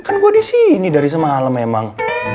kan gue disini dari semalam memang